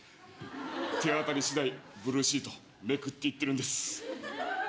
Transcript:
手当たり次第ブルーシートめくっていってるんです。